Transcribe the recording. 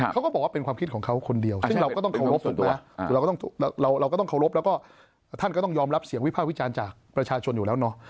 เขาก็บอกว่าเป็นความคิดของเขาคนเดียวซึ่งเราก็ต้องเคารพแล้วก็ท่านก็ต้องยอมรับเสียงวิพากษ์วิจารณ์จากประชาชนอยู่แล้วเนาะ